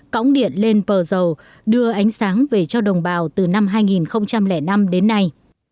cõng điện lên pờ dầu đưa ánh sáng về cho đồng bào từ năm hai nghìn năm đến nay